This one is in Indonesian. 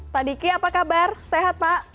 pak diki apa kabar sehat pak